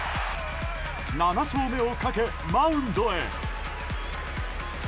７勝目をかけマウンドへ。